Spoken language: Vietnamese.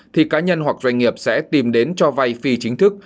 thì cá nhân hoặc doanh nghiệp sẽ tìm đến cho vay phi chính thức